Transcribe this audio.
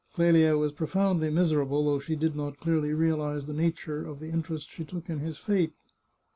Clelia was profoundly miserable, though she did not clearly realize the nature of the interest she took in his fate.